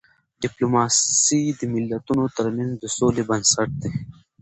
ډيپلوماسی د ملتونو ترمنځ د سولې بنسټ دی.